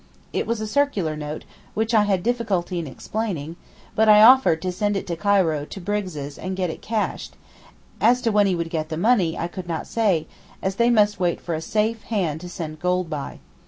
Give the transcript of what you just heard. It was a circular note, which I had difficulty in explaining, but I offered to send it to Cairo to Brigg's and get it cashed; as to when he would get the money I could not say, as they must wait for a safe hand to send gold by.